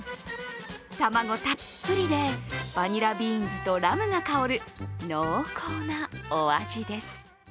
卵たっぷりで、バニラビーンズとラムが香る濃厚なお味です。